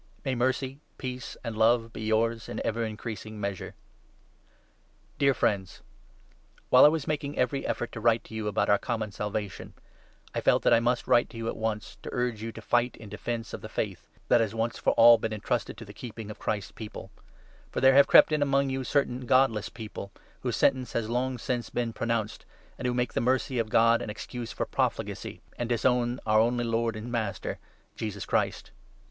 May mercy, peace, and love be yours in ever increasing 2 measure. II. — WARNINGS AGAINST THE MORAL CORRUPTION INTRODUCED BY FALSE TEACHERS. Dear friends, while I was making every effort to 3 The object write to you about our common Salvation, I felt of the Letter. tna(; I must write to you at once to urge you to fight in defence of the Faith that has once for all been entrusted to the keeping of Christ's People. For there have 4 crept in among you certain godless people, whose sentence has long since been pronounced, and who make the mercy of God an excuse for profligacy, and disown our only lord and master, Jesus Christ.